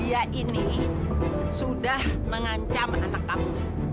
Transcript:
dia ini sudah mengancam anak kamu